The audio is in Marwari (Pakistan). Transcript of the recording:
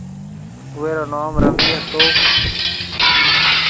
اُوئي رو نوم رويِ ھتو۔